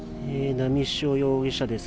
波汐容疑者です。